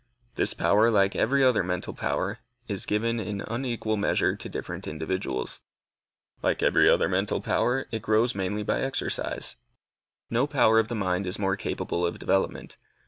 This power, like every other mental power, is given in unequal measure to different individuals. Like every other mental power, also, it grows mainly by exercise. No power of the mind is more capable of development.